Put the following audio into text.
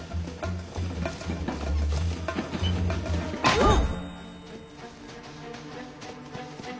うわっ！